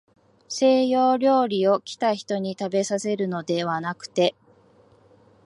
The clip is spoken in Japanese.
西洋料理を、来た人にたべさせるのではなくて、